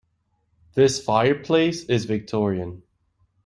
This fireplace is Victorian.